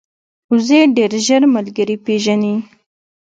وزې ډېر ژر ملګري پېژني